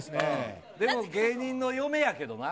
でも芸人の嫁やけどな。